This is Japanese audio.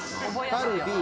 カルビ。